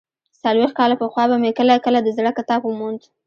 څلوېښت کاله پخوا به مې کله کله د زړه کتاب وموند.